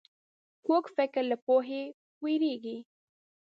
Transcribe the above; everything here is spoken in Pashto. کوږ فکر له پوهې وېرېږي